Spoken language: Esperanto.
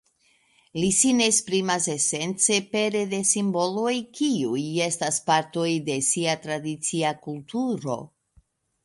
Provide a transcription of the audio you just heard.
Li sin esprimas esence pere de simboloj kiuj estas partoj de sia tradicia kulturo.